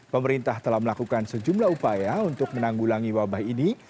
pemerintah telah melakukan sejumlah upaya untuk menanggulangi wabah ini